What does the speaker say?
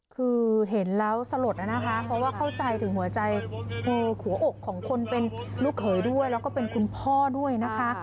คือเห็นแล้วสลดนะคะเพราะว่าเข้าใจถึงหัวใจหัวอกของคนเป็นลูกเขยด้วยแล้วก็เป็นคุณพ่อด้วยนะคะ